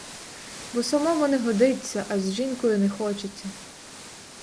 Бо самому не годиться, а з жінкою не хочеться.